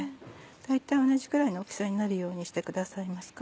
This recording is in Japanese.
大体同じくらいの大きさになるようにしてくださいますか。